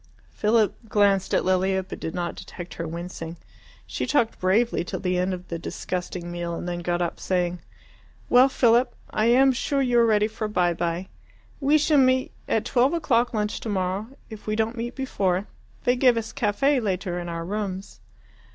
Philip glanced at Lilia but did not detect her wincing. She talked bravely till the end of the disgusting meal, and then got up saying, "Well, Philip, I am sure you are ready for by bye. We shall meet at twelve o'clock lunch tomorrow, if we don't meet before. They give us caffe later in our rooms."